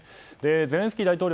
ゼレンスキー大統領